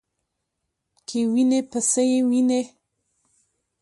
کې وینې په څه یې وینې ؟